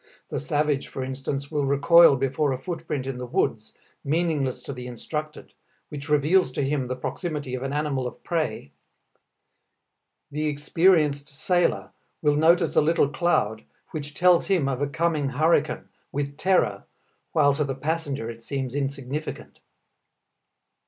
The savage, for instance, will recoil before a footprint in the woods, meaningless to the uninstructed, which reveals to him the proximity of an animal of prey; the experienced sailor will notice a little cloud, which tells him of a coming hurricane, with terror, while to the passenger it seems insignificant.